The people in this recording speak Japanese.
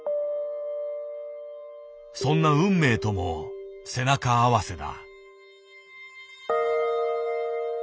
そんな運命とも背中合わせだ。